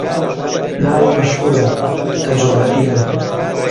ناوی مەشهوورە، کە جوبرەئیلە